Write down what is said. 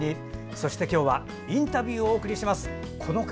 そして今日はインタビューをお送りします。